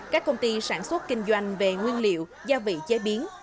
các công ty sản xuất kinh doanh về nguyên liệu gia vị chế biến